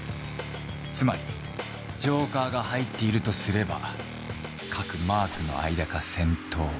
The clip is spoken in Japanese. つまりジョーカーが入っているとすれば各マークの間か先頭。